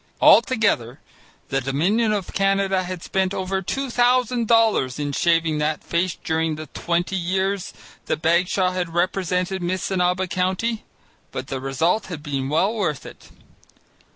Altogether the Dominion of Canada had spent over two thousand dollars in shaving that face during the twenty years that Bagshaw had represented Missinaba County. But the result had been well worth it.